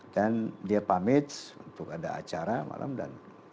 dan dia pamit untuk ada acara malam dan malam